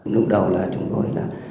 lúc đầu là chúng tôi